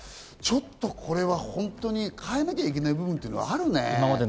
ちょっとこれは本当に変えなきゃいけない部分があるね。